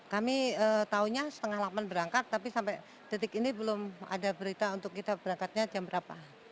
kami tahunya setengah delapan berangkat tapi sampai detik ini belum ada berita untuk kita berangkatnya jam berapa